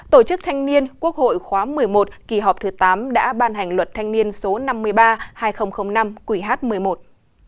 tổ chức thanh niên quốc hội khóa một mươi một kỳ họp thứ tám đã ban hành luật thanh niên số năm mươi ba hai nghìn năm quỷ hát một mươi một